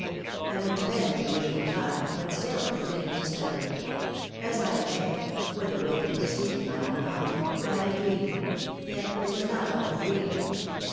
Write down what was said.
I went to bed at the usual time, but still continued to study. As I lay whether waking or sleeping I know not I had a dream; yet it was not all a dream.